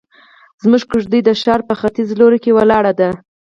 زموږ کيږدۍ د ښار په ختيز لور کې ولاړه ده.